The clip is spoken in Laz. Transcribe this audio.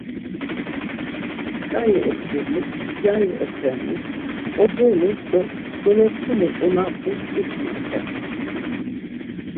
Tzǩari oşumus, gyari oxenus, obonus do dolokunu onaxus ixmart̆es.